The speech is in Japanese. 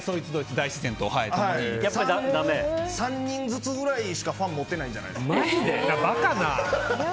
３人ずつくらいしか、ファンを持ってないんじゃないですか。